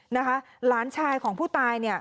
นะคะหลานชายของผู้ตาย